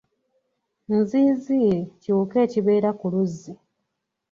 Nziiziiri kiwuka ekibeera ku luzzi.